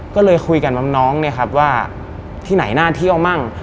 ก็เลยคุยกับน้องเนี่ยครับว่าที่ไหนน่าเที่ยวมั่ง